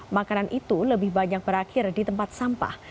makanan itu lebih banyak berakhir di tempat sampah